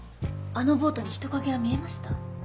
あのボートに人影は見えました？